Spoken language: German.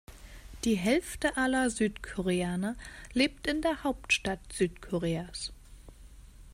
Die Hälfte aller Südkoreaner lebt in der Hauptstadt Südkoreas.